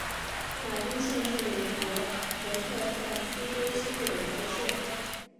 马丁县是美国德克萨斯州西部的一个县。